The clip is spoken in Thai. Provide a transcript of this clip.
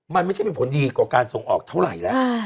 มันไม่ใช่เป็นผลดีกว่าการส่งออกเท่าไหร่แล้ว